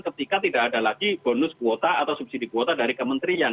ketika tidak ada lagi bonus kuota atau subsidi kuota dari kementerian